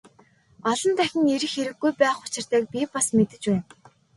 Олон дахин ирэх хэрэггүй байх учиртайг би бас мэдэж байна.